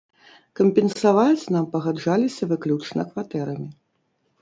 Кампенсаваць нам пагаджаліся выключна кватэрамі.